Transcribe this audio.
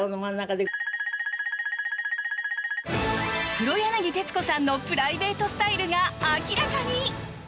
黒柳徹子さんのプライベートスタイルが明らかに。